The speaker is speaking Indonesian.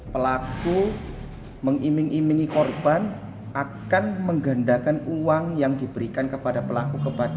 pelaku mengiming imingi korban akan menggandakan uang yang diberikan kepada pelaku kepada korban